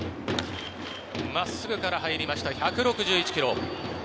まっすぐから入りました、１６１キロ。